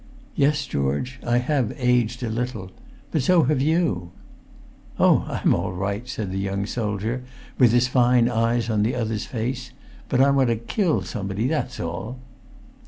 "Yes, George. I have aged a little. But so have you." "Oh, I'm all right," said the young soldier with his fine eyes on the other's face; "but I want to kill somebody, that's all!"